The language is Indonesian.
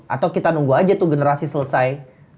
atau kita nunggu aja tuh generasi selesai